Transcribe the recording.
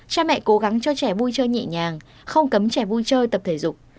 cha mẹ cố gắng cho trẻ vui chơi nhẹ nhàng không cấm trẻ vui chơi tập thể dục